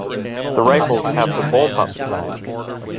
The rifles have the bullpup design.